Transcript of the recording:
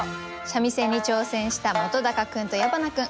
三味線に挑戦した本君と矢花君。